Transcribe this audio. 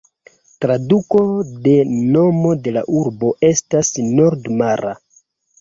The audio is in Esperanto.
Traduko de nomo de la urbo estas "nord-mara".